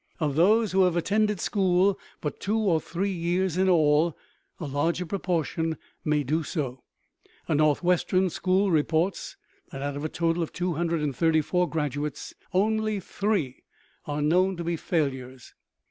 Of those who have attended school but two or three years in all, a larger proportion may do so. A northwestern school reports that out of a total of 234 graduates only three are known to be failures.